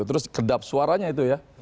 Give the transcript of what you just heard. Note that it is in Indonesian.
terus kedap suaranya itu ya